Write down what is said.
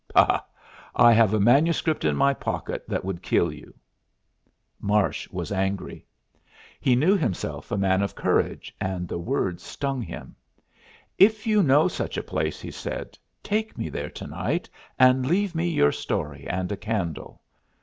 Bah! I have a manuscript in my pocket that would kill you." Marsh was angry. He knew himself courageous, and the words stung him. "If you know such a place," he said, "take me there to night and leave me your story and a candle.